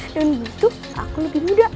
dan begitu aku lebih muda